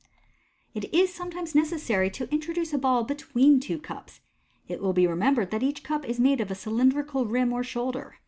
It is sometimes necessary to introduce a ball between two cups. It will be remembered that each cup is made with a cylindrical rim or shoulder.